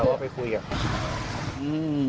เราเอาไปคุยกัน